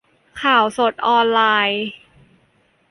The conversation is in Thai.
: ข่าวสดออนไลน์